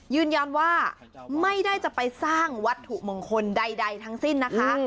ยืนยันว่าไม่ได้จะไปสร้างวัตถุมงคลใดทั้งสิ้นนะคะ